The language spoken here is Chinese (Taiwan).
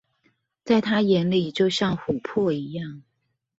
在他眼裡就像琥珀一樣